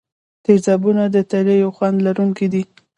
تیزابونه د تریو خوند لرونکي دي.